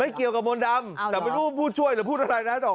เกี่ยวกับมนต์ดำแต่ไม่รู้ว่าผู้ช่วยหรือพูดอะไรนะ